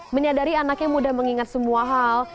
menyadari anaknya mudah mengingat semua hal